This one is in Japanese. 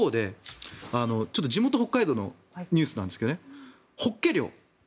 地元・北海道のニュースなんですけど、ホッケ漁